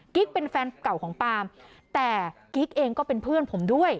เป็นแฟนเก่าของปาล์มแต่กิ๊กเองก็เป็นเพื่อนผมด้วย